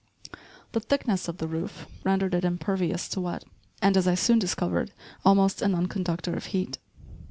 The thickness of the roof rendered it impervious to wet, and, as I soon discovered, almost a non conductor of heat.